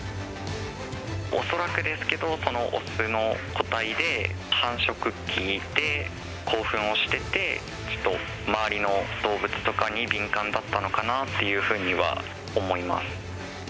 恐らくですけど、雄の個体で、繁殖期で興奮をしてて、人、周りの動物とかに敏感だったのかなっていうふうには思います。